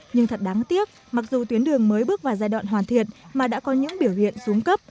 nhưng thật đáng tiếc mặc dù tuyến đường mới bước vào giai đoạn hoàn thiện mà đã có những biểu hiện xuống cấp